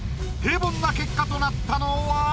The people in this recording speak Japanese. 平凡な結果となったのは？